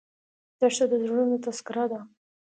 دښته د زړونو تذکره ده.